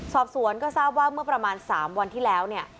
สอบสวนก็ทราบว่าเมื่อประมาณ๓วันที่แล้วเนี่ย